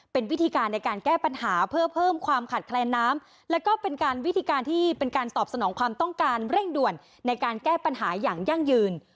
เป็นวิธีการในการแก้ปัญหาเพื่อเพิ่มความขาดแคลนน้ำแล้วก็เป็นการวิธีการที่เป็นการตอบสนองความต้องการเร่งด่วนในการแก้ปัญหาอย่างยั่งยืน